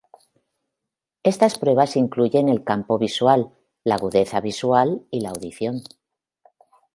Estas pruebas incluyen el campo visual, la agudeza visual y la audición.